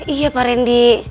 iya pak rendy